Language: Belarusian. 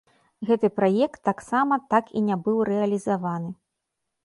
Гэты праект таксама так і не быў рэалізаваны.